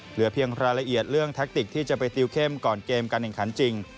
เหลือเพียงรายละเอียดเรื่องแท็กติกที่จะไปติวเข้มก่อนเกมการแข่งขันจริง